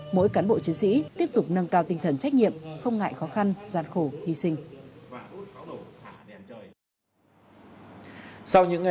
mỗi cán bộ chiến sĩ tiếp tục nâng cao tinh thần trách nhiệm không ngại khó khăn gian khổ hy sinh